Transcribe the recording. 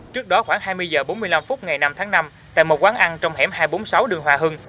trước đó khoảng hai mươi h bốn mươi năm phút ngày năm tháng năm tại một quán ăn trong hẻm hai trăm bốn mươi sáu đường hòa hưng